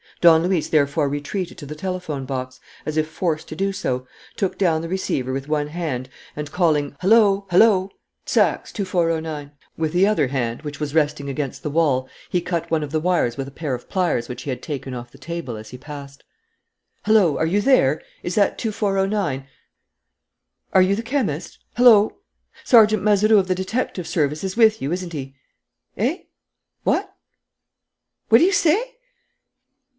Don Luis therefore retreated to the telephone box, as if forced to do so, took down the receiver with one hand, and, calling, "Hullo! Hullo! Saxe, 2409," with the other hand, which was resting against the wall, he cut one of the wires with a pair of pliers which he had taken off the table as he passed. "Hullo! Are you there? Is that 2409? Are you the chemist?... Hullo!... Sergeant Mazeroux of the detective service is with you, isn't he? Eh? What? What do you say?